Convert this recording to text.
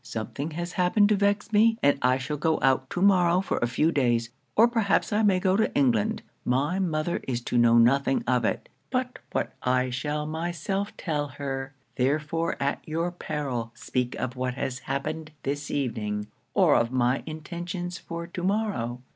Something has happened to vex me, and I shall go out to morrow for a few days, or perhaps I may go to England. My mother is to know nothing of it, but what I shall myself tell her; therefore at your peril speak of what has happened this evening, or of my intentions for to morrow.